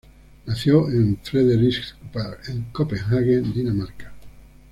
Nació en Frederiksberg, en Copenhague, Dinamarca.